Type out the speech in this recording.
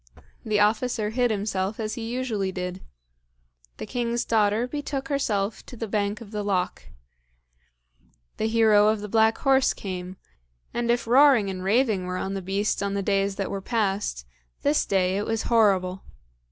The officer hid himself as he usually did. The king's daughter betook herself to the bank of the loch. The hero of the black horse came, and if roaring and raving were on the beast on the days that were passed, this day it was horrible.